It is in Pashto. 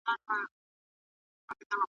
چي له لیري مي ږغ نه وي اورېدلی .